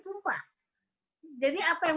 sumpah jadi apa yang